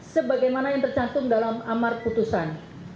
sebagaimana yang tercantum dalam amar putusan